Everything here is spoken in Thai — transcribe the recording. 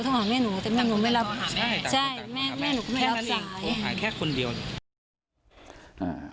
ใช่แม่หนูก็ไม่รับสาย